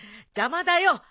邪魔だよ